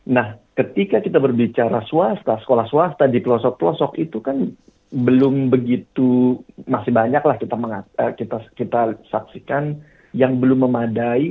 nah ketika kita berbicara swasta sekolah swasta di pelosok pelosok itu kan belum begitu masih banyak lah kita saksikan yang belum memadai